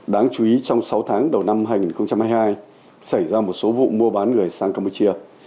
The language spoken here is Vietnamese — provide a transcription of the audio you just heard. đáng chú ý trong sáu tháng đầu năm hai nghìn hai mươi hai xảy ra một số vụ mua bán người sang campuchia